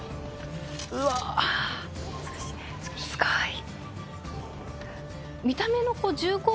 うわすごい。